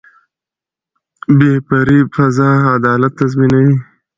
بې پرې قضا عدالت تضمینوي